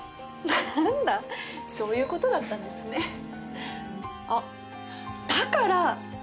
なんだそういうことだったんですねあっ